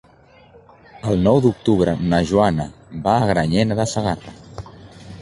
El nou d'octubre na Joana va a Granyena de Segarra.